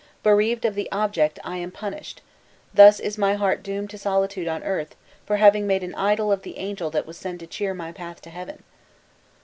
Bereaved of the object, I am punished; thus is my heart doomed to solitude on earth for having made an idol of the angel that was sent to cheer my path to Heaven."